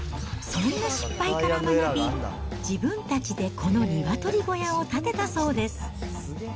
そんな失敗から学び、自分たちでこの鶏小屋を建てたそうです。